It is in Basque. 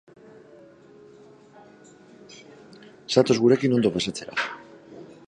Zatoz gurekin ondo pasatzera!